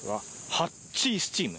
ハッチースチーム？